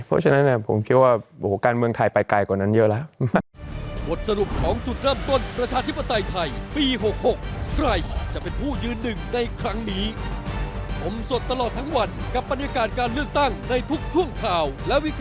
เพราะฉะนั้นผมเชื่อว่าการเมืองไทยไปไกลกว่านั้นเยอะแล้ว